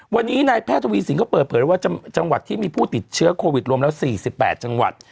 วันนี้นายแพทย์ทวีสินก็เปิดเผยว่าจังหวัดที่มีผู้ติดเชื้อโควิดรวมแล้ว๔๘จังหวัด